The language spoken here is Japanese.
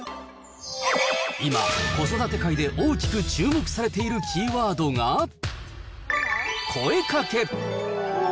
今、子育て界で大きく注目されているキーワードが、声かけ。